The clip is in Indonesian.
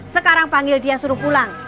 sekarang panggil dia suruh pulang